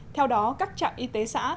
theo đó các trạng y tế xã